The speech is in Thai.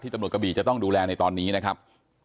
ตำรวจกะบี่จะต้องดูแลในตอนนี้นะครับ